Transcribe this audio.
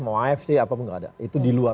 mau afc apapun nggak ada itu di luar